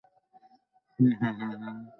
নির্বিকার নিশ্চিন্ত এক সুখী মানুষ।